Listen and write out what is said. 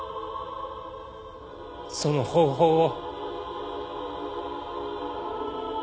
その方法を。